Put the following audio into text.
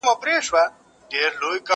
زه به ليکنه کړې وي؟